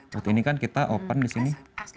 seperti ini kan kita open di sini